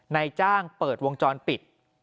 นายจ้างเปิดวงจรปิด